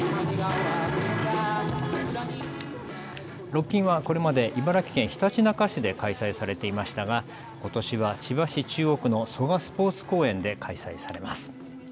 ロッキンはこれまで茨城県ひたちなか市で開催されていましたが、ことしは千葉市中央区の蘇我スポーツ公園で開催されます。